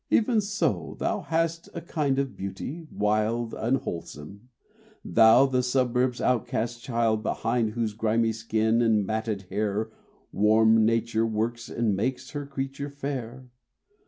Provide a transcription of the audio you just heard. Even so thou hast a kind of beauty, wild, Unwholesome thou the suburb's outcast child, Behind whose grimy skin and matted hair Warm nature works and makes her creature fair.